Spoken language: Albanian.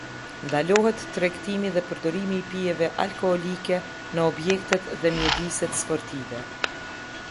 Ndalohet tregtimi dhe përdorimi i pijeve alkoolike në objektet dhe mjediset sportive.